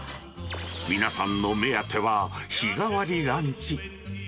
皆さんの目当ては、日替わりランチ。